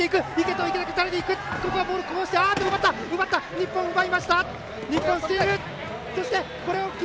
日本、奪いました。